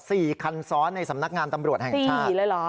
สี่คันซ้อนในสำนักงานตำรวจแห่งชาติสี่เลยเหรอ